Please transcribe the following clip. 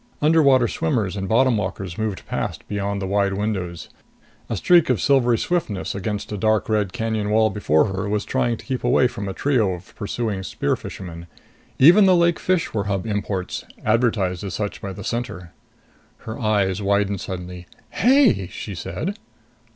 Underwater swimmers and bottom walkers moved past beyond the wide windows. A streak of silvery swiftness against a dark red canyon wall before her was trying to keep away from a trio of pursuing spear fishermen. Even the lake fish were Hub imports, advertised as such by the Center. Her eyes widened suddenly. "Hey!" she said.